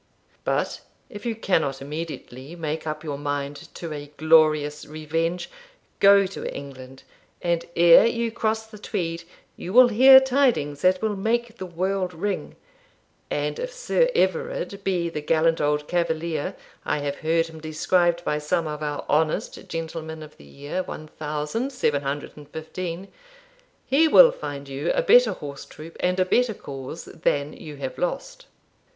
But if you cannot immediately make up your mind to a glorious revenge, go to England, and ere you cross the Tweed you will hear tidings that will make the world ring; and if Sir Everard be the gallant old cavalier I have heard him described by some of our HONEST gentlemen of the year one thousand seven hundred and fifteen, he will find you a better horse troop and a better cause than you have lost.'